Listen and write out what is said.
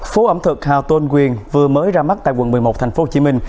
phố ẩm thực hà tôn quyền vừa mới ra mắt tại quận một mươi một tp hcm